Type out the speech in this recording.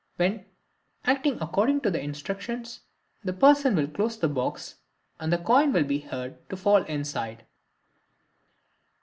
when, acting according to your instructions, the person will close the box, and the coin will be heard to fall inside.